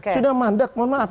sudah mandek mohon maaf